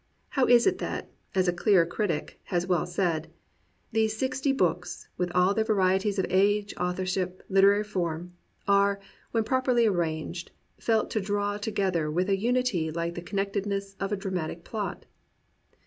How is it that, as a clear critic has well said, "These sixty books, with all their varieties of age, authorship, literary form, are, when properly arranged, felt to draw to gether with a unity hke the connectedness of a dra matic plot?"